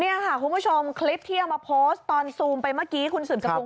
นี่ค่ะคุณผู้ชมคลิปที่เอามาโพสต์ตอนซูมไปเมื่อกี้คุณสืบสกุล